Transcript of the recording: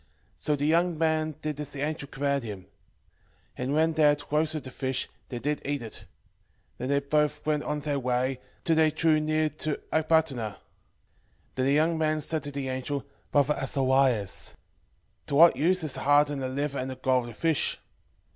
6:5 So the young man did as the angel commanded him; and when they had roasted the fish, they did eat it: then they both went on their way, till they drew near to Ecbatane. 6:6 Then the young man said to the angel, Brother Azarias, to what use is the heart and the liver and the gal of the fish?